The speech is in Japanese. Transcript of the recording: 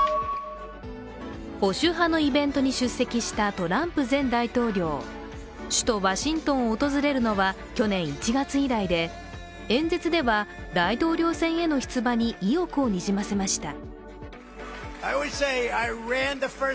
保守派のイベントに出席したトランプ前大統領ワシントンを訪れるのは去年１月以来で、演説では大統領選への出馬に意欲をにじませました。